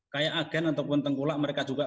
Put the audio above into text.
kayak agen ataupun tengkulak mereka juga